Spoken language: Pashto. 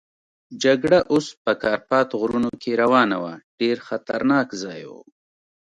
جګړه اوس په کارپات غرونو کې روانه وه، ډېر خطرناک ځای وو.